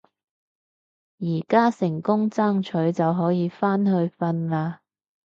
而家成功爭取就可以返去瞓啦